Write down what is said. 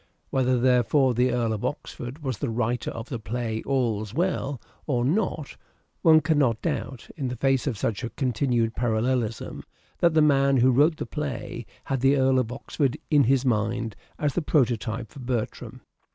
Whether, therefore, the Earl of Oxford was the writer of the play, " All's Well," or not, one cannot doubt, in the face of such a continued parallelism, that the man who wrote the play had the Earl of Oxford in his mind as the prototype of Bertram.